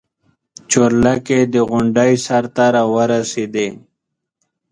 چورلکې د غونډۍ سر ته راورسېدې.